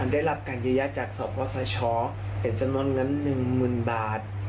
ได้รับการเยอะแยะจากสอบว่าสะช้อเป็นสำนวนเงินหนึ่งหมื่นบาท